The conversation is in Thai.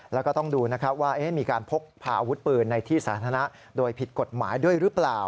แล้วก็ต้องดูนะครับว่ามีการพกพาอาวุธปืนในที่สาธารณะโดยผิดกฎหมายด้วยหรือเปล่า